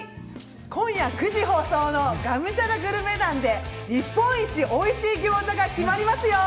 今夜９時放送の『がむしゃらグルメ団』で、日本一おいしい餃子が決まりますよ。